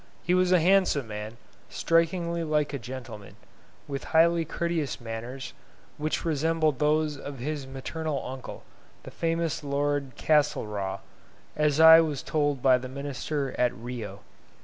He was a handsome man, strikingly like a gentleman, with highly courteous manners, which resembled those of his maternal uncle, the famous Lord Castlereagh, as I was told by the Minister at Rio.